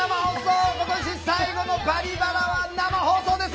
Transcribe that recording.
今年最後の「バリバラ」は生放送です。